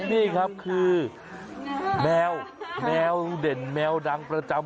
นี่ครับคือแมวแมวเด่นแมวดังประจำ